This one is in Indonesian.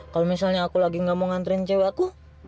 kalau misalnya aku lagi gak mau nganterin cewek aku